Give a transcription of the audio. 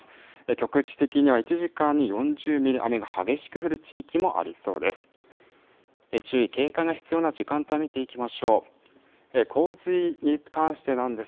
局地的には１時間に４０ミリ雨の激しく降る地域もありそうです。